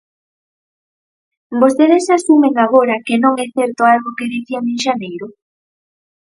Vostedes asumen agora que non é certo algo que dicían en xaneiro.